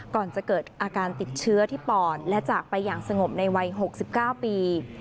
ก่อนจะเกิดอาการติดเชื้อที่ปอดและจากไปอย่างสงบในวัย๖๙ปี